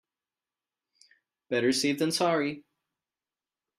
Better safe than sorry.